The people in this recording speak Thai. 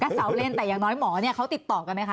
เสาเล่นแต่อย่างน้อยหมอเนี่ยเขาติดต่อกันไหมคะ